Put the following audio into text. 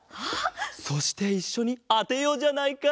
そしていっしょにあてようじゃないか。